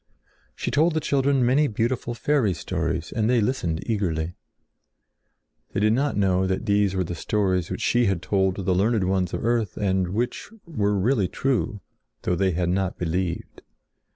She told the children many beautiful fairy stories and they listened eagerly. They did not know that these were the stories which she had told to the learned ones of the earth and which were really true, though they had not believed.